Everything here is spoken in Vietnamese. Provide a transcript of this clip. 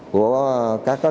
của các đối tượng